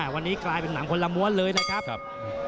วันนี้กลายเป็นหนังคนละม้วนเลยนะครับ